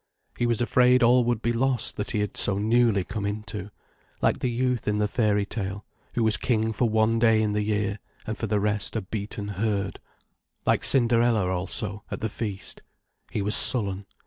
He was afraid all would be lost that he had so newly come into: like the youth in the fairy tale, who was king for one day in the year, and for the rest a beaten herd: like Cinderella also, at the feast. He was sullen.